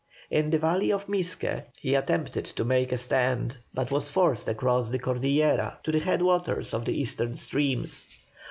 In the valley of Misque he attempted to make a stand, but was forced across the Cordillera to the head waters of the eastern streams.